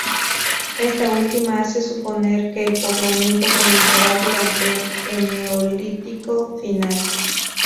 Esta última hace suponer que el poblamiento comenzara durante el Eneolítico final.